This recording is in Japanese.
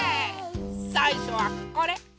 さいしょはこれ。